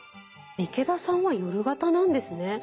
池田さんは夜型なんですね。